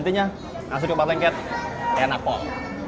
intinya nasi uduk mat lengket enak kok